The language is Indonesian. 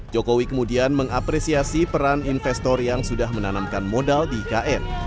jokowi kemudian mengapresiasi peran investor yang sudah menanamkan modal di ikn